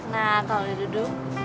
nah kalau udah duduk